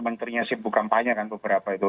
menterinya sibuk kampanye kan beberapa itu